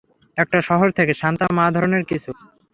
একটা শহর থেকে — সান্তা মা-ধরণের কিছু।